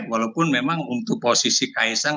walaupun memang untuk posisi kaisang